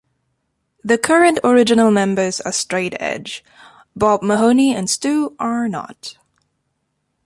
The current original members are straight edge; Bob Mahoney and Stu are not.